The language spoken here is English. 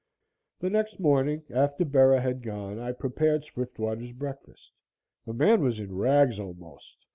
The next morning, after Bera had gone, I prepared Swiftwater's breakfast. The man was in rags, almost.